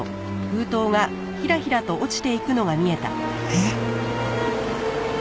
えっ！？